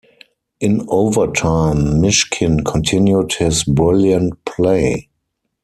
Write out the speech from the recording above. In overtime, Myshkin continued his brilliant play.